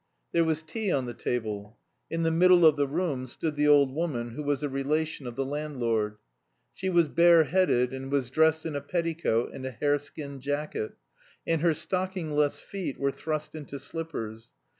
There was tea on the table. In the middle of the room stood the old woman who was a relation of the landlord. She was bareheaded and was dressed in a petticoat and a hare skin jacket, and her stockingless feet were thrust into slippers.